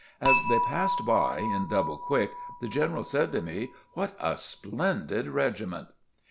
As they passed by in double quick, the General said to me: "What a splendid regiment!"